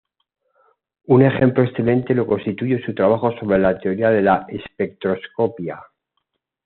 Un ejemplo excelente lo constituye su trabajo sobre la teoría de la espectroscopia.